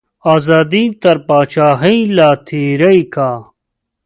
ازادي تر پاچاهیه لا تیری کا.